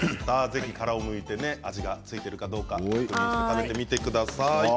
ぜひ殻をむいて味が付いているかどうかしっかり見てください。